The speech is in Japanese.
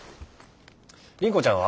倫子ちゃんは？